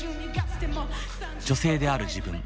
女性である自分。